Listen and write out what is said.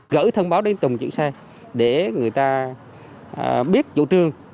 gửi thông báo đến tùm chuyển xe để người ta biết chủ trương